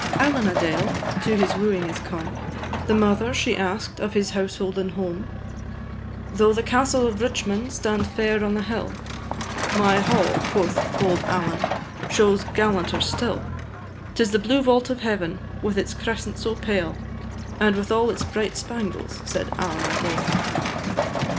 Allen a Dale to his wooing is come; The mother she asked of his household and home; "Though the castle of Richmond stand fair on the hill, My hall," quoth bold Allen, "shows gallanter still; 'Tis the blue vault of heaven, with its crescent so pale, And with all its bright spangles," said Allen a Dale.